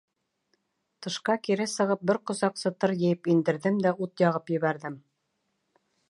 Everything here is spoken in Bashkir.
Тышҡа кире сығып, бер ҡосаҡ сытыр йыйып индерҙем дә ут яғып ебәрҙем.